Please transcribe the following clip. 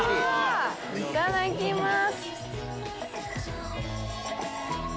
いただきます。